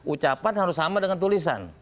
ucapan harus sama dengan tulisan